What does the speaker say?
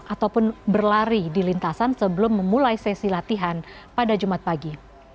ataupun berlari di lintasan sebelum memulai sesi latihan pada jumat pagi